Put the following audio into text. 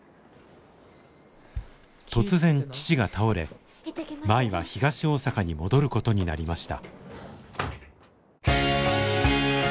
突然父が倒れ舞は東大阪に戻ることになりました。